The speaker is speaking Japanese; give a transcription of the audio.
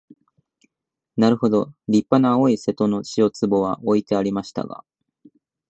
なるほど立派な青い瀬戸の塩壺は置いてありましたが、